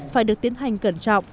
phải được tiến hành cẩn trọng